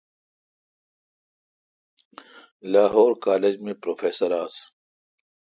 لاہور کالج می پروفیسر آس۔